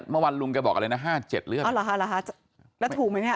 เมื่อวานลุงแกบอกอะไรนะ๕๗เรื่องอ๋อเหรอฮะแล้วถูกไหมเนี่ย